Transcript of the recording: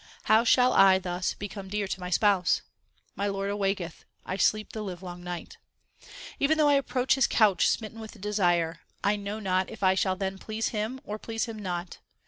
How shall I thus become dear to my Spouse ? My Lord awaketh ; I sleep the livelong night. Even though I approach His couch smitten with desire, / know not if I shall then please Him or please Him not.